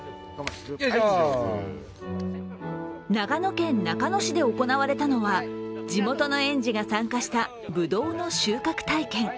長野県中野市で行われたのは地元の園児が参加したぶどうの収穫体験。